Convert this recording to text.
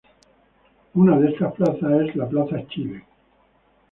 Una de estas plazas es la Plaza Chile.